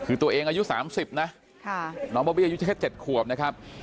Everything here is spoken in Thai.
คือตัวเองอายุ๓๐นะน้องบอบบี้อายุแค่๗ขวบนะครับ